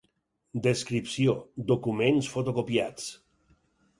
Descripció: documents fotocopiats.